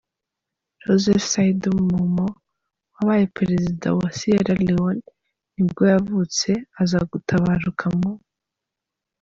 Joseph Saidu Momoh wabaye perezida wa wa Sierra Leone nibwo yavutse, aza gutabaruka mu .